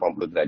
maka dari itu